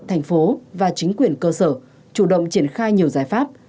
thành phố và chính quyền cơ sở chủ động triển khai nhiều giải pháp